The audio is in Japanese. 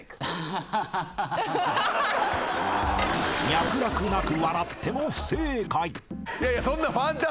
［脈絡なく笑っても不正解］